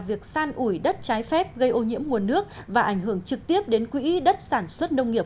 việc san ủi đất trái phép gây ô nhiễm nguồn nước và ảnh hưởng trực tiếp đến quỹ đất sản xuất nông nghiệp